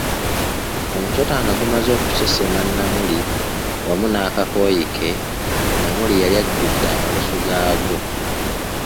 Omusota nga gumaze okusesema Namuli wamu nakakooyi ke, Namuli yali ajjudde amalusu g'aggwo.